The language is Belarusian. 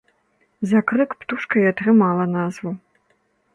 За крык птушка і атрымала назву.